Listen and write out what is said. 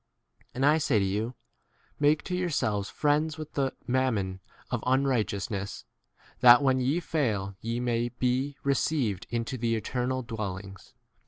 And I say to you, Make to yourselves friends with the mammon of un righteousness, that when ye fail ye may be received 3 into the 10 eternal dwellings.